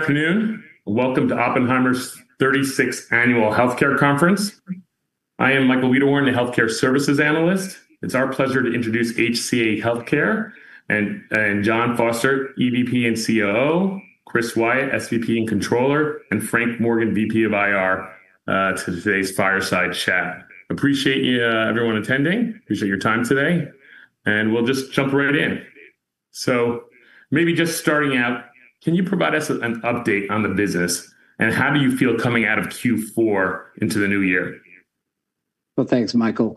Afternoon, and Welcome to Oppenheimer's 36th Annual Healthcare Conference. I am Michael Wiederhorn, the Healthcare Services Analyst. It's our pleasure to introduce HCA Healthcare and Jon Foster, EVP and COO, Christopher Wyatt, SVP and Controller, and Frank Morgan, VP of IR, to today's fireside chat. Appreciate everyone attending. Appreciate your time today, and we'll just jump right in. Maybe just starting out, can you provide us with an update on the business and how do you feel coming out of Q4 into the new year? Well, thanks, Michael.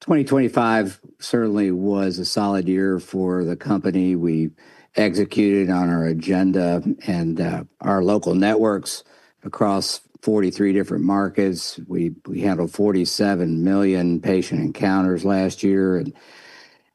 2025 certainly was a solid year for the company. We executed on our agenda and our local networks across 43 different markets. We handled 47 million patient encounters last year and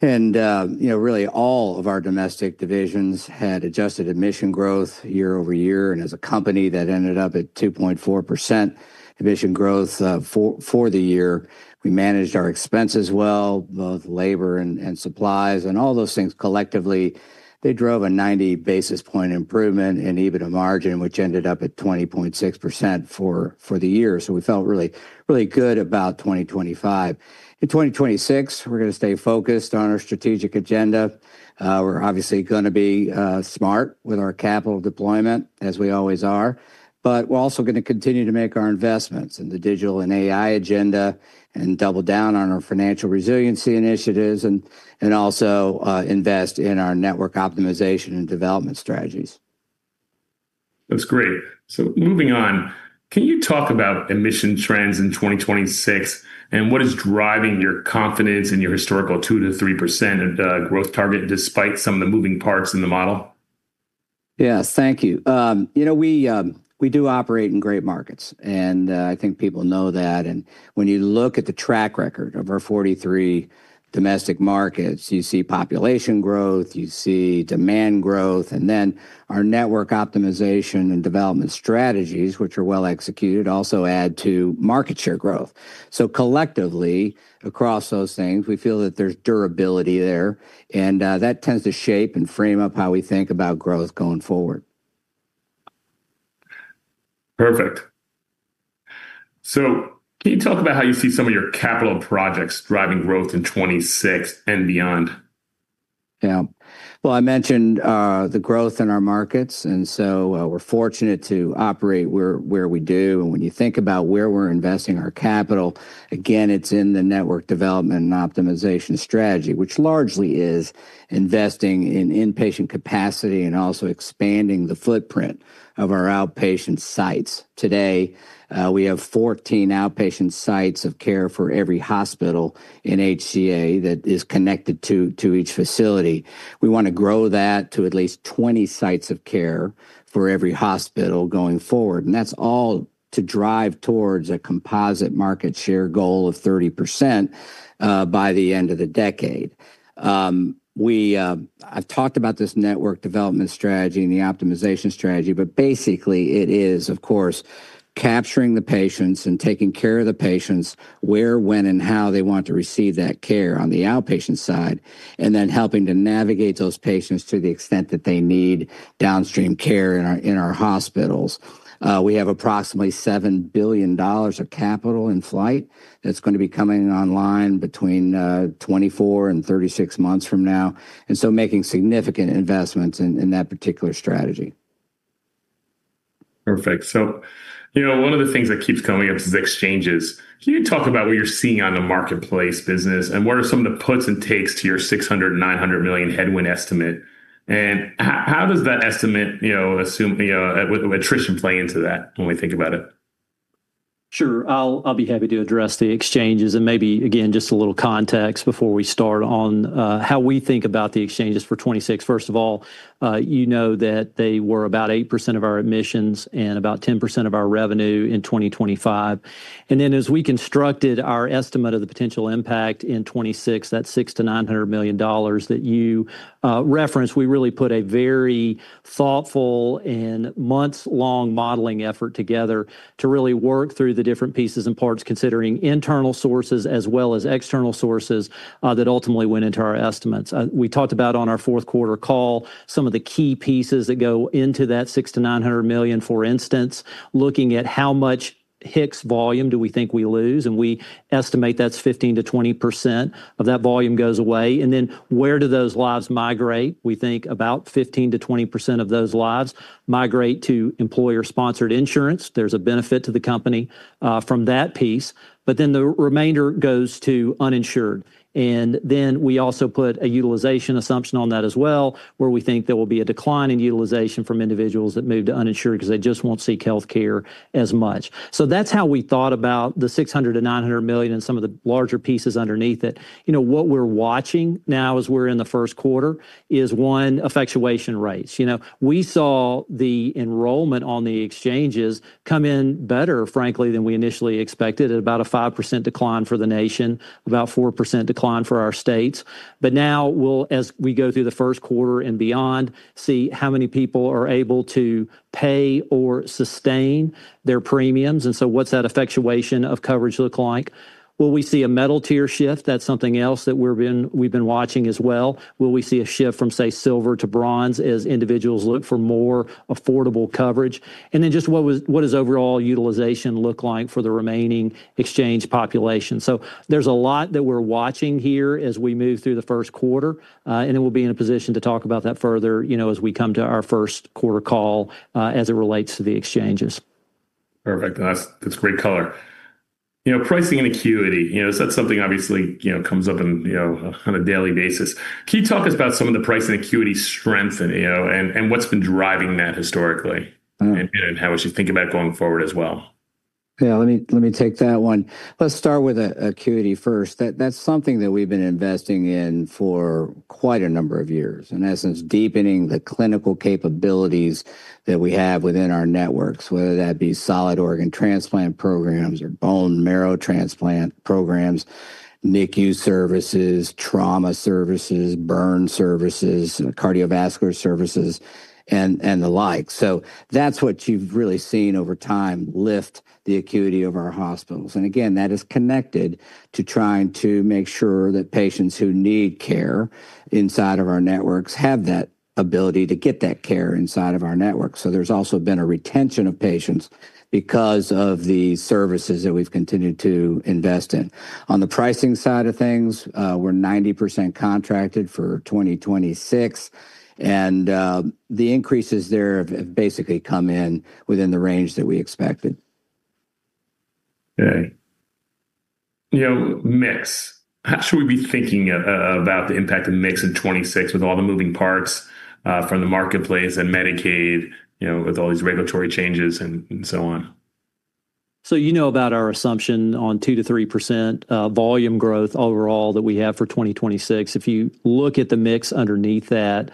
you know, really all of our domestic divisions had adjusted admission growth year over year and as a company that ended up at 2.4% admission growth for the year. We managed our expenses well, both labor and supplies and all those things collectively, they drove a 90 basis point improvement in EBITDA margin, which ended up at 20.6% for the year. So we felt really good about 2025. In 2026, we're gonna stay focused on our strategic agenda. We're obviously gonna be smart with our capital deployment as we always are, but we're also gonna continue to make our investments in the digital and AI agenda and double down on our financial resiliency initiatives and also invest in our network optimization and development strategies. That's great. Moving on, can you talk about admission trends in 2026 and what is driving your confidence in your historical 2%-3% growth target despite some of the moving parts in the model? Yes. Thank you. You know, we do operate in great markets, and I think people know that. When you look at the track record of our 43 domestic markets, you see population growth, you see demand growth, and then our network optimization and development strategies, which are well executed, also add to market share growth. Collectively across those things, we feel that there's durability there, and that tends to shape and frame up how we think about growth going forward. Perfect. Can you talk about how you see some of your capital projects driving growth in 2026 and beyond? Yeah. Well, I mentioned the growth in our markets, and so we're fortunate to operate where we do. When you think about where we're investing our capital, again, it's in the network development and optimization strategy, which largely is investing in inpatient capacity and also expanding the footprint of our outpatient sites. Today, we have 14 outpatient sites of care for every hospital in HCA that is connected to each facility. We wanna grow that to at least 20 sites of care for every hospital going forward, and that's all to drive towards a composite market share goal of 30% by the end of the decade. I've talked about this network development strategy and the optimization strategy, but basically it is of course capturing the patients and taking care of the patients where, when, and how they want to receive that care on the outpatient side, and then helping to navigate those patients to the extent that they need downstream care in our hospitals. We have approximately $7 billion of capital in flight that's gonna be coming online between 24 and 36 months from now. Making significant investments in that particular strategy. Perfect. You know, one of the things that keeps coming up is exchanges. Can you talk about what you're seeing on the marketplace business and what are some of the puts and takes to your $600 million, $900 million headwind estimate? How does that estimate, you know, assume, you know, with attrition play into that when we think about it? Sure. I'll be happy to address the exchanges and maybe again, just a little context before we start on how we think about the exchanges for 2026. First of all, you know that they were about 8% of our admissions and about 10% of our revenue in 2025. As we constructed our estimate of the potential impact in 2026, that $600 million-$900 million that you referenced, we really put a very thoughtful and months-long modeling effort together to really work through the different pieces and parts considering internal sources as well as external sources that ultimately went into our estimates. We talked about on our fourth quarter call some of the key pieces that go into that $600 million-$900 million. For instance, looking at how much HIX volume do we think we lose, and we estimate that's 15%-20% of that volume goes away. Then where do those lives migrate? We think about 15%-20% of those lives migrate to employer-sponsored insurance. There's a benefit to the company from that piece. The remainder goes to uninsured. We also put a utilization assumption on that as well, where we think there will be a decline in utilization from individuals that move to uninsured because they just won't seek healthcare as much. That's how we thought about the $600 million-$900 million and some of the larger pieces underneath it. You know, what we're watching now as we're in the first quarter is our effectuation rates. You know, we saw the enrollment on the exchanges come in better, frankly, than we initially expected, at about a 5% decline for the nation, about 4% decline for our states. Now we'll, as we go through the first quarter and beyond, see how many people are able to pay or sustain their premiums. What's that effectuation of coverage look like? Will we see a metal tier shift? That's something else that we've been watching as well. Will we see a shift from, say, silver to bronze as individuals look for more affordable coverage? What does overall utilization look like for the remaining exchange population? There's a lot that we're watching here as we move through the first quarter, and then we'll be in a position to talk about that further, you know, as we come to our first quarter call, as it relates to the exchanges. Perfect. That's great color. You know, pricing and acuity, you know, is that something obviously, you know, comes up in, you know, on a daily basis. Can you talk to us about some of the pricing acuity strengths and, you know, and what's been driving that historically, and how we should think about going forward as well? Yeah, let me take that one. Let's start with acuity first. That's something that we've been investing in for quite a number of years. In essence, deepening the clinical capabilities that we have within our networks, whether that be solid organ transplant programs or bone marrow transplant programs, NICU services, trauma services, burn services, cardiovascular services, and the like. So that's what you've really seen over time lift the acuity of our hospitals. Again, that is connected to trying to make sure that patients who need care inside of our networks have that ability to get that care inside of our network. So there's also been a retention of patients because of the services that we've continued to invest in. On the pricing side of things, we're 90% contracted for 2026, and the increases there have basically come in within the range that we expected. Okay. You know, mix. How should we be thinking about the impact of mix in 2026 with all the moving parts from the marketplace and Medicaid, you know, with all these regulatory changes and so on? You know about our assumption on 2%-3% volume growth overall that we have for 2026. If you look at the mix underneath that,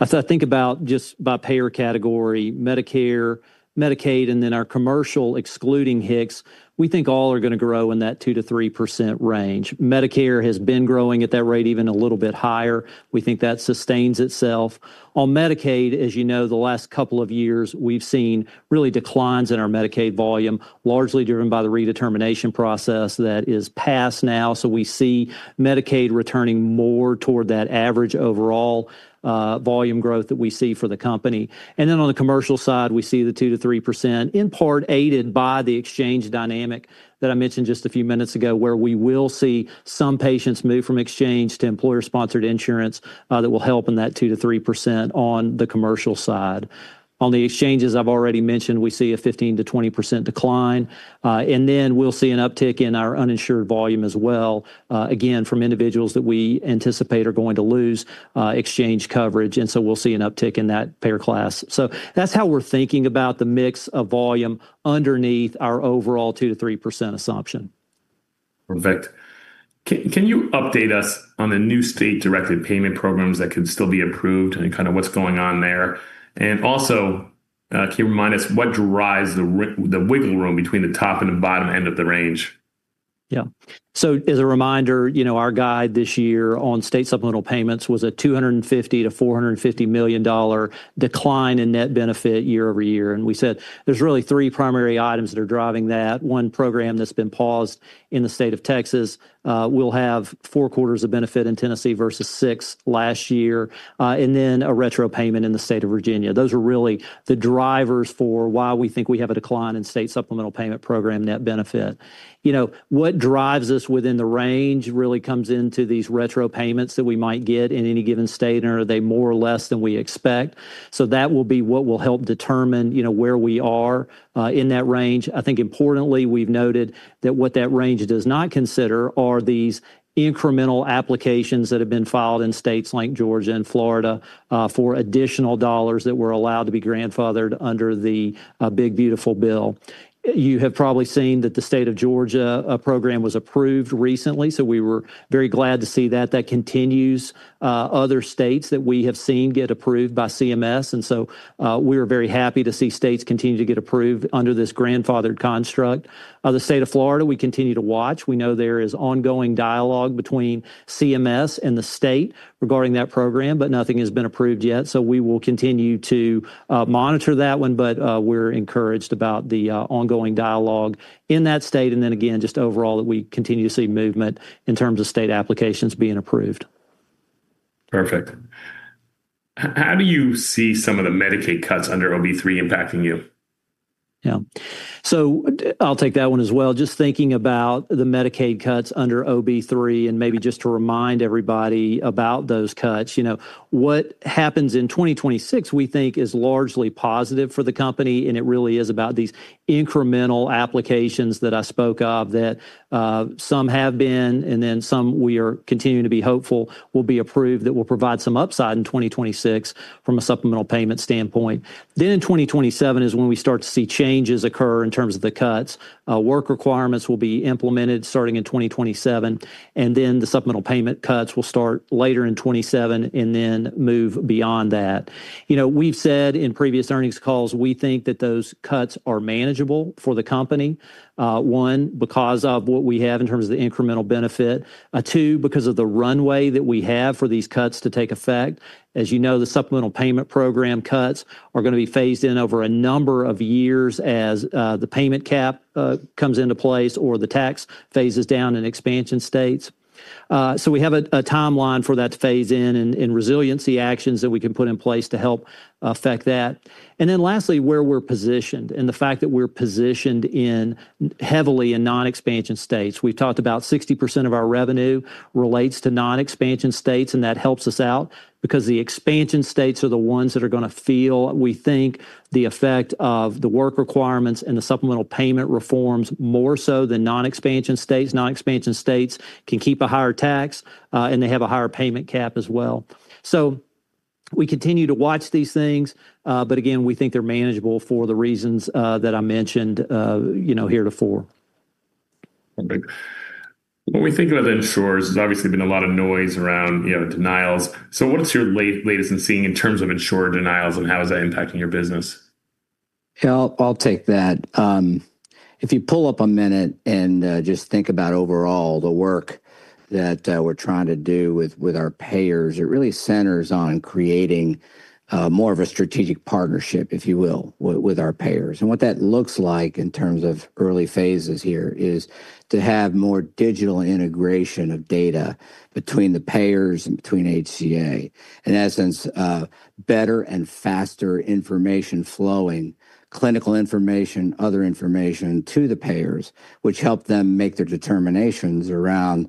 as I think about just by payer category, Medicare, Medicaid, and then our commercial excluding HIX, we think all are gonna grow in that 2%-3% range. Medicare has been growing at that rate even a little bit higher. We think that sustains itself. On Medicaid, as you know, the last couple of years, we've seen real declines in our Medicaid volume, largely driven by the redetermination process that has passed now. We see Medicaid returning more toward that average overall volume growth that we see for the company. On the commercial side, we see the 2%-3%, in part aided by the exchange dynamic that I mentioned just a few minutes ago, where we will see some patients move from exchange to employer-sponsored insurance, that will help in that 2%-3% on the commercial side. On the exchanges, I've already mentioned, we see a 15%-20% decline, and then we'll see an uptick in our uninsured volume as well, again, from individuals that we anticipate are going to lose, exchange coverage. We'll see an uptick in that payer class. That's how we're thinking about the mix of volume underneath our overall 2%-3% assumption. Perfect. Can you update us on the new state directed payment programs that could still be approved and kind of what's going on there? Also, can you remind us what drives the wiggle room between the top and the bottom end of the range? Yeah. As a reminder, you know, our guide this year on state supplemental payments was a $250 million-$450 million decline in net benefit year-over-year. We said there's really three primary items that are driving that. One program that's been paused in the state of Texas will have four quarters of benefit in Tennessee versus six last year, and then a retro payment in the state of Virginia. Those are really the drivers for why we think we have a decline in state supplemental payment program net benefit. You know, what drives us within the range really comes into these retro payments that we might get in any given state, and are they more or less than we expect. That will be what will help determine, you know, where we are in that range. I think importantly, we've noted that what that range does not consider are these incremental applications that have been filed in states like Georgia and Florida, for additional dollars that were allowed to be grandfathered under the, big beautiful bill. You have probably seen that the state of Georgia program was approved recently, so we were very glad to see that. That continues, other states that we have seen get approved by CMS. We are very happy to see states continue to get approved under this grandfathered construct. The state of Florida, we continue to watch. We know there is ongoing dialogue between CMS and the state regarding that program, but nothing has been approved yet. We will continue to monitor that one, but we're encouraged about the ongoing dialogue in that state, and then again, just overall that we continue to see movement in terms of state applications being approved. Perfect. How do you see some of the Medicaid cuts under OB3 impacting you? Yeah. I'll take that one as well. Just thinking about the Medicaid cuts under OB3, and maybe just to remind everybody about those cuts. You know, what happens in 2026, we think is largely positive for the company, and it really is about these incremental applications that I spoke of that, some have been, and then some we are continuing to be hopeful will be approved that will provide some upside in 2026 from a supplemental payment standpoint. In 2027 is when we start to see changes occur in terms of the cuts. Work requirements will be implemented starting in 2027, and then the supplemental payment cuts will start later in 2027 and then move beyond that. You know, we've said in previous earnings calls, we think that those cuts are manageable for the company, one, because of what we have in terms of the incremental benefit. Two, because of the runway that we have for these cuts to take effect. As you know, the state supplemental payments cuts are gonna be phased in over a number of years as the payment cap comes into place or the tax phases down in expansion states. We have a timeline for that to phase in and resiliency actions that we can put in place to help affect that. Then lastly, where we're positioned and the fact that we're positioned heavily in non-expansion states. We've talked about 60% of our revenue relates to non-expansion states, and that helps us out because the expansion states are the ones that are gonna feel, we think, the effect of the work requirements and the supplemental payment reforms more so than non-expansion states. Non-expansion states can keep a higher tax, and they have a higher payment cap as well. We continue to watch these things, but again, we think they're manageable for the reasons that I mentioned, you know, heretofore. Okay. When we think about insurers, there's obviously been a lot of noise around, you know, denials. What is your latest in seeing in terms of insurer denials, and how is that impacting your business? Yeah, I'll take that. If you pull up a minute and just think about overall the work that we're trying to do with our payers, it really centers on creating more of a strategic partnership, if you will, with our payers. What that looks like in terms of early phases here is to have more digital integration of data between the payers and between HCA. In essence, better and faster information flowing, clinical information, other information to the payers, which help them make their determinations around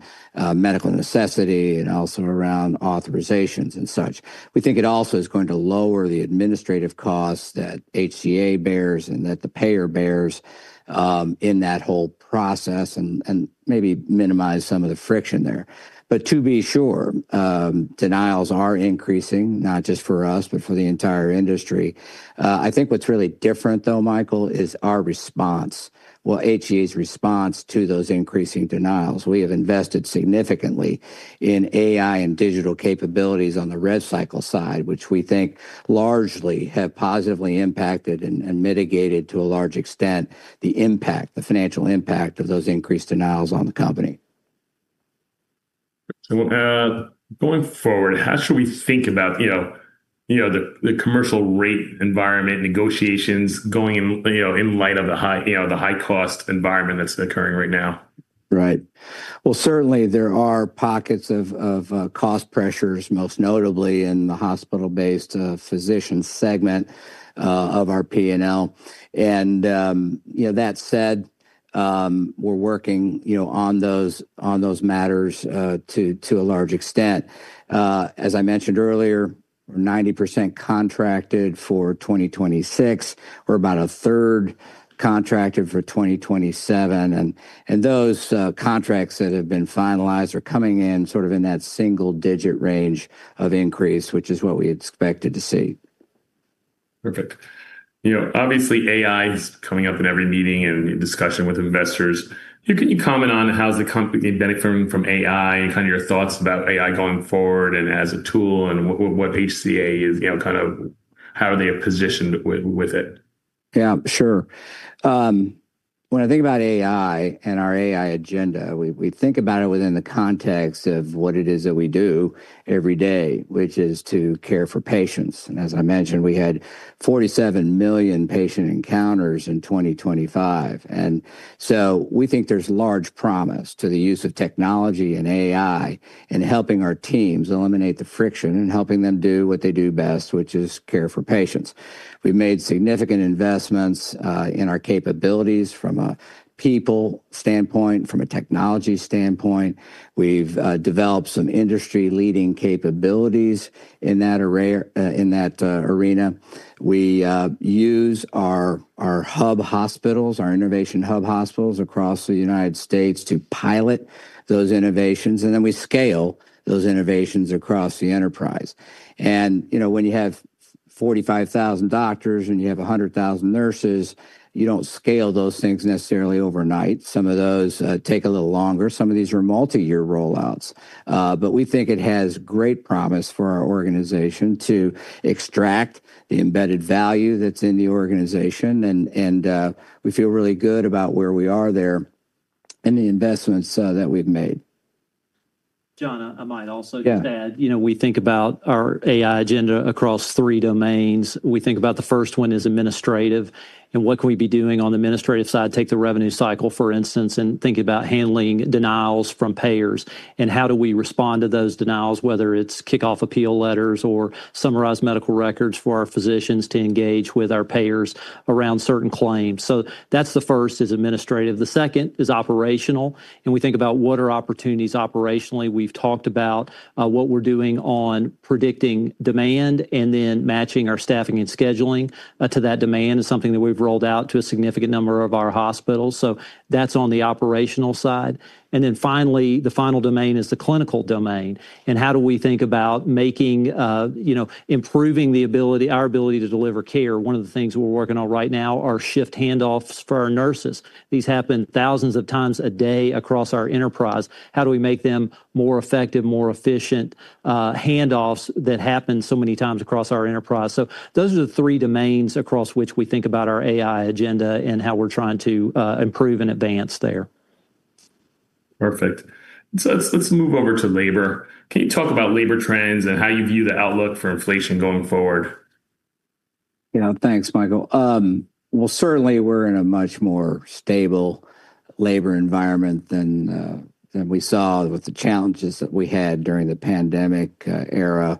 medical necessity and also around authorizations and such. We think it also is going to lower the administrative costs that HCA bears and that the payer bears in that whole process and maybe minimize some of the friction there. To be sure, denials are increasing not just for us, but for the entire industry. I think what's really different though, Michael, is our response. Well, HCA's response to those increasing denials. We have invested significantly in AI and digital capabilities on the rev cycle side, which we think largely have positively impacted and mitigated to a large extent the impact, the financial impact of those increased denials on the company. Going forward, how should we think about, you know, the commercial rate environment negotiations going in, you know, in light of the high cost environment that's occurring right now? Right. Well, certainly there are pockets of cost pressures, most notably in the hospital-based physician segment of our P&L. You know, that said, we're working, you know, on those matters to a large extent. As I mentioned earlier, 90% contracted for 2026. We're about a third contracted for 2027. Those contracts that have been finalized are coming in sort of in that single-digit range of increase, which is what we expected to see. Perfect. You know, obviously AI is coming up in every meeting and discussion with investors. Can you comment on how's the company benefiting from AI and kind of your thoughts about AI going forward and as a tool and what HCA is, you know, kind of how they are positioned with it? Yeah, sure. When I think about AI and our AI agenda, we think about it within the context of what it is that we do every day, which is to care for patients. As I mentioned, we had 47 million patient encounters in 2025. We think there's large promise to the use of technology and AI in helping our teams eliminate the friction and helping them do what they do best, which is care for patients. We've made significant investments in our capabilities from a people standpoint, from a technology standpoint. We've developed some industry leading capabilities in that arena. We use our hub hospitals, our Innovation Hub hospitals across the United States to pilot those innovations, and then we scale those innovations across the enterprise. You know, when you have 45,000 doctors and you have 100,000 nurses, you don't scale those things necessarily overnight. Some of those take a little longer. Some of these are multi-year rollouts. But we think it has great promise for our organization to extract the embedded value that's in the organization and we feel really good about where we are there and the investments that we've made. Jon, I might also just add. Yeah. You know, we think about our AI agenda across three domains. We think about the first one is administrative and what can we be doing on the administrative side. Take the revenue cycle, for instance, and think about handling denials from payers and how do we respond to those denials, whether it's kick off appeal letters or summarize medical records for our physicians to engage with our payers around certain claims. So that's the first is administrative. The second is operational, and we think about what are opportunities operationally. We've talked about what we're doing on predicting demand and then matching our staffing and scheduling to that demand is something that we've rolled out to a significant number of our hospitals. So that's on the operational side. And then finally, the final domain is the clinical domain. How do we think about making, you know, improving the ability, our ability to deliver care. One of the things we're working on right now are shift handoffs for our nurses. These happen thousands of times a day across our enterprise. How do we make them more effective, more efficient, handoffs that happen so many times across our enterprise? Those are the three domains across which we think about our AI agenda and how we're trying to improve and advance there. Perfect. Let's move over to labor. Can you talk about labor trends and how you view the outlook for inflation going forward? Yeah. Thanks, Michael. Well, certainly we're in a much more stable labor environment than than we saw with the challenges that we had during the pandemic era.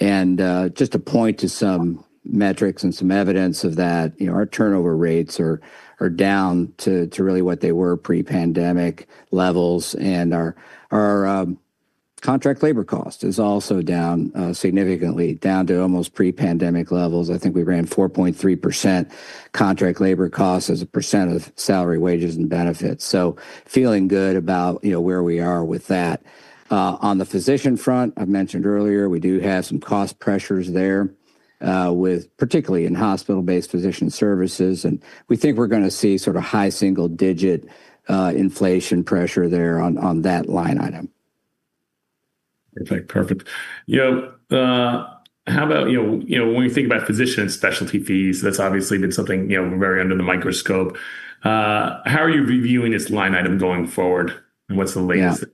Just to point to some metrics and some evidence of that, you know, our turnover rates are down to really what they were pre-pandemic levels. Our contract labor cost is also down significantly down to almost pre-pandemic levels. I think we ran 4.3% contract labor costs as a percent of salary, wages, and benefits. Feeling good about, you know, where we are with that. On the physician front, I've mentioned earlier, we do have some cost pressures there. With particularly in hospital-based physician services, and we think we're gonna see sort of high single-digit inflation pressure there on that line item. Perfect. You know, how about, you know, you know, when you think about physician specialty fees, that's obviously been something, you know, very under the microscope. How are you reviewing this line item going forward, and what's the latest?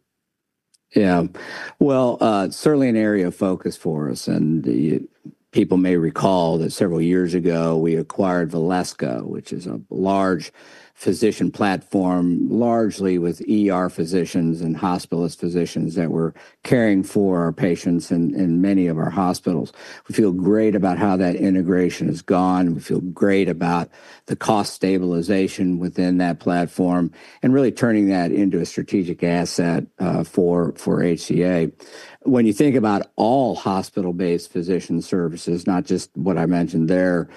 Well, certainly an area of focus for us, and people may recall that several years ago, we acquired Valesco, which is a large physician platform, largely with ER physicians and hospitalist physicians that were caring for our patients in many of our hospitals. We feel great about how that integration has gone. We feel great about the cost stabilization within that platform and really turning that into a strategic asset for HCA. When you think about all hospital-based physician services, not just what I mentioned there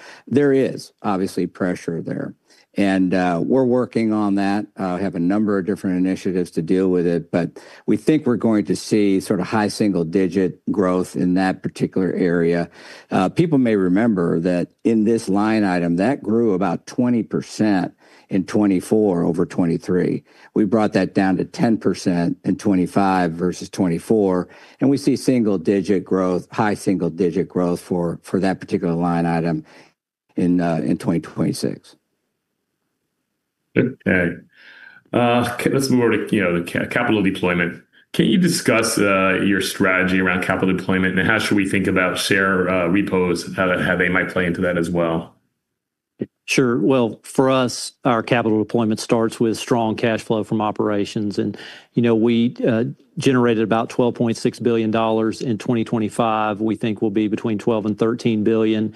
is obviously pressure there. We're working on that. We have a number of different initiatives to deal with it, but we think we're going to see sort of high single-digit growth in that particular area. People may remember that in this line item, that grew about 20% in 2024 over 2023. We brought that down to 10% in 2025 versus 2024, and we see single-digit growth, high single-digit growth for that particular line item in 2026. Okay. Let's move on to, you know, capital deployment. Can you discuss your strategy around capital deployment, and how should we think about share repos, how they might play into that as well? Sure. Well, for us, our capital deployment starts with strong cash flow from operations. You know, we generated about $12.6 billion in 2025. We think we'll be between $12 billion and $13 billion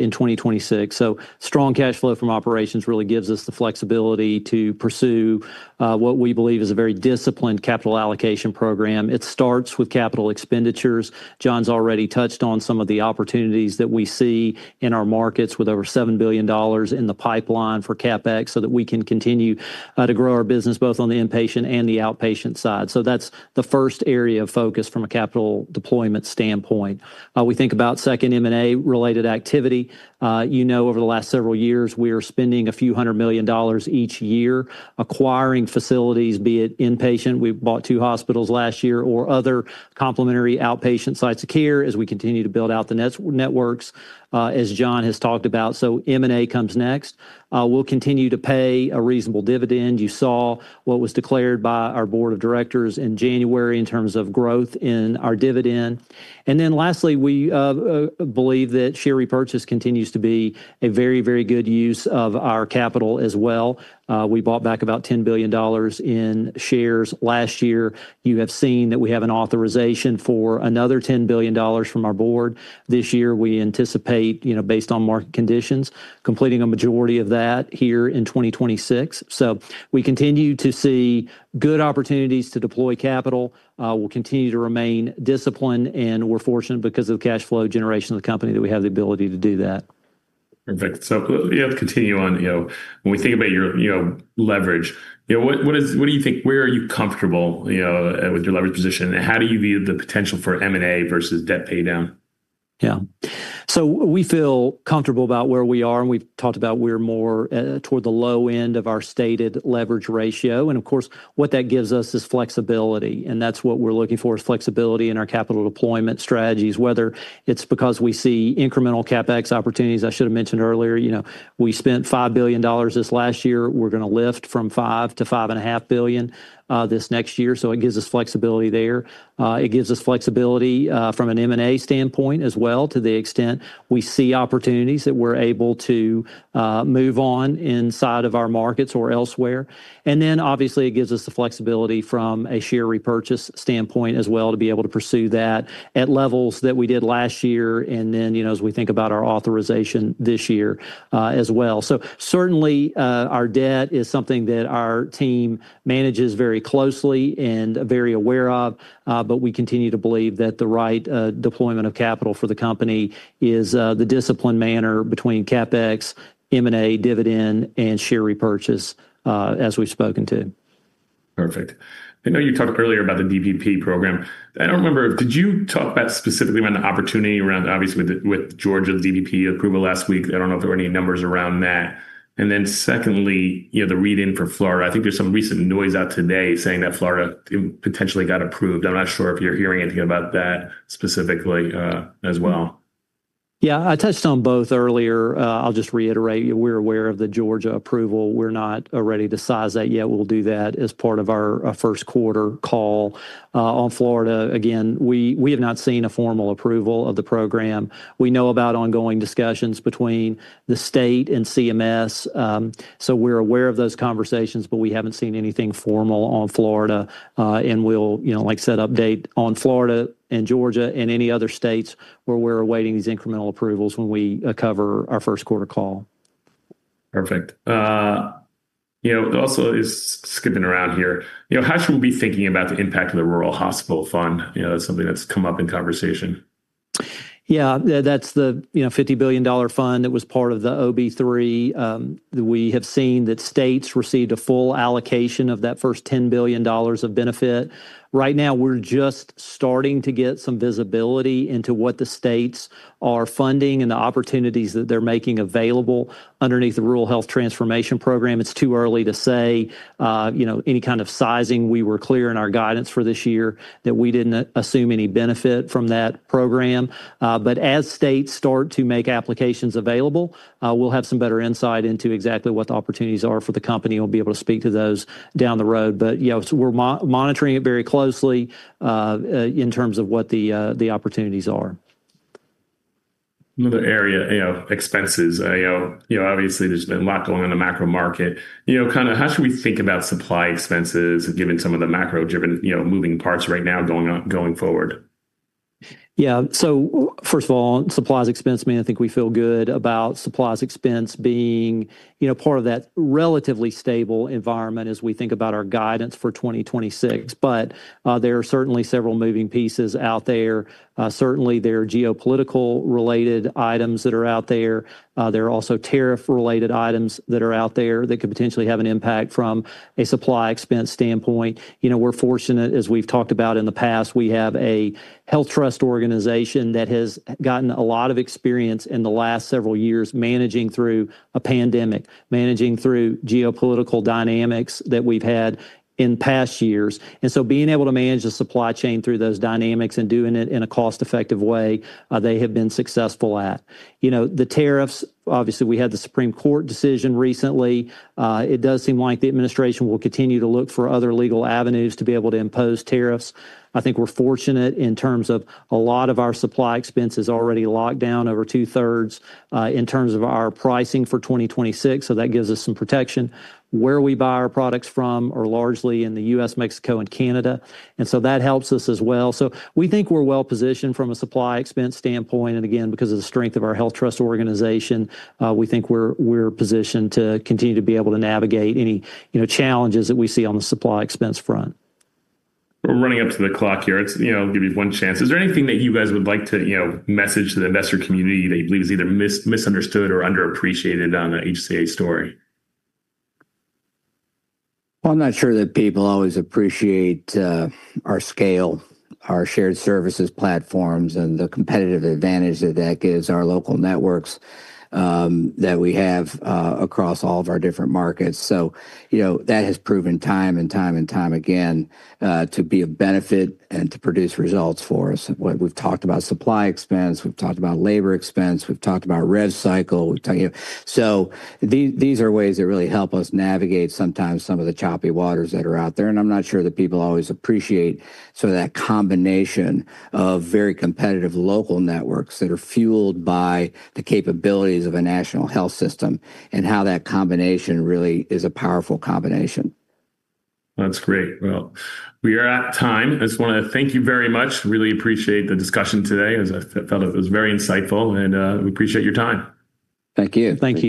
in 2026. Strong cash flow from operations really gives us the flexibility to pursue what we believe is a very disciplined capital allocation program. It starts with capital expenditures. Jon's already touched on some of the opportunities that we see in our markets with over $7 billion in the pipeline for CapEx so that we can continue to grow our business both on the inpatient and the outpatient side. That's the first area of focus from a capital deployment standpoint. We think about second M&A-related activity. You know, over the last several years, we are spending a few hundred million dollars each year acquiring facilities, be it inpatient. We bought two hospitals last year or other complementary outpatient sites of care as we continue to build out the networks, as Jon has talked about. M&A comes next. We'll continue to pay a reasonable dividend. You saw what was declared by our board of directors in January in terms of growth in our dividend. Lastly, we believe that share repurchase continues to be a very, very good use of our capital as well. We bought back about $10 billion in shares last year. You have seen that we have an authorization for another $10 billion from our board. This year, we anticipate, you know, based on market conditions, completing a majority of that here in 2026. We continue to see good opportunities to deploy capital. We'll continue to remain disciplined, and we're fortunate because of the cash flow generation of the company that we have the ability to do that. Perfect. Yeah, to continue on, you know, when we think about your, you know, leverage, you know, what do you think, where are you comfortable, you know, with your leverage position, and how do you view the potential for M&A versus debt paydown? Yeah. We feel comfortable about where we are, and we've talked about. We're more toward the low end of our stated leverage ratio. Of course, what that gives us is flexibility, and that's what we're looking for is flexibility in our capital deployment strategies, whether it's because we see incremental CapEx opportunities. I should have mentioned earlier, you know, we spent $5 billion this last year. We're gonna lift from $5-$5.5 billion this next year. It gives us flexibility there. It gives us flexibility from an M&A standpoint as well to the extent we see opportunities that we're able to move on inside of our markets or elsewhere. Then obviously, it gives us the flexibility from a share repurchase standpoint as well to be able to pursue that at levels that we did last year. You know, as we think about our authorization this year, as well. Certainly, our debt is something that our team manages very closely and very aware of, but we continue to believe that the right deployment of capital for the company is the disciplined manner between CapEx, M&A, dividend, and share repurchase, as we've spoken to. Perfect. I know you talked earlier about the DPP program. I don't remember. Did you talk about specifically around the opportunity around, obviously, with Georgia's DPP approval last week? I don't know if there were any numbers around that. Secondly, you know, the read-in for Florida. I think there's some recent news out today saying that Florida potentially got approved. I'm not sure if you're hearing anything about that specifically, as well. Yeah. I touched on both earlier. I'll just reiterate, we're aware of the Georgia approval. We're not ready to size that yet. We'll do that as part of our first quarter call. On Florida, again, we have not seen a formal approval of the program. We know about ongoing discussions between the state and CMS. So we're aware of those conversations, but we haven't seen anything formal on Florida. We'll, you know, like I said, update on Florida and Georgia and any other states where we're awaiting these incremental approvals when we cover our first quarter call. Perfect. You know, also is skipping around here. You know, how should we be thinking about the impact of the Rural Hospital Fund? You know, that's something that's come up in conversation. Yeah. Yeah, that's the, you know, $50 billion fund that was part of the OB3. We have seen that states received a full allocation of that first $10 billion of benefit. Right now we're just starting to get some visibility into what the states are funding and the opportunities that they're making available underneath the Rural Health Transformation Program. It's too early to say, you know, any kind of sizing. We were clear in our guidance for this year that we didn't assume any benefit from that program. As states start to make applications available, we'll have some better insight into exactly what the opportunities are for the company. We'll be able to speak to those down the road. Yeah, we're monitoring it very closely in terms of what the opportunities are. Another area, you know, expenses. Obviously there's been a lot going on in the macro market. You know, kinda how should we think about supply expenses given some of the macro-driven, you know, moving parts right now going on, going forward? Yeah. First of all, supplies expense, man, I think we feel good about supplies expense being, you know, part of that relatively stable environment as we think about our guidance for 2026. There are certainly several moving pieces out there. Certainly, there are geopolitical related items that are out there. There are also tariff related items that are out there that could potentially have an impact from a supply expense standpoint. You know, we're fortunate, as we've talked about in the past, we have a HealthTrust organization that has gotten a lot of experience in the last several years managing through a pandemic, managing through geopolitical dynamics that we've had in past years. Being able to manage the supply chain through those dynamics and doing it in a cost-effective way, they have been successful at. You know, the tariffs, obviously we had the Supreme Court decision recently. It does seem like the administration will continue to look for other legal avenues to be able to impose tariffs. I think we're fortunate in terms of a lot of our supply expense is already locked down over two-thirds in terms of our pricing for 2026, so that gives us some protection. Where we buy our products from are largely in the U.S., Mexico and Canada, and so that helps us as well. We think we're well-positioned from a supply expense standpoint. Again, because of the strength of our HealthTrust organization, we think we're positioned to continue to be able to navigate any, you know, challenges that we see on the supply expense front. We're running up to the clock here. It's, you know, I'll give you one chance. Is there anything that you guys would like to, you know, message to the investor community that you believe is either misunderstood or underappreciated on the HCA story? Well, I'm not sure that people always appreciate our scale, our shared services platforms, and the competitive advantage that that gives our local networks that we have across all of our different markets. You know, that has proven time and time again to be a benefit and to produce results for us. We've talked about supply expense, we've talked about labor expense, we've talked about rev cycle. We've talked, you know. These are ways that really help us navigate sometimes some of the choppy waters that are out there. I'm not sure that people always appreciate some of that combination of very competitive local networks that are fueled by the capabilities of a national health system and how that combination really is a powerful combination. That's great. Well, we are at time. I just wanna thank you very much. Really appreciate the discussion today. As I felt it was very insightful and we appreciate your time. Thank you. Thank you.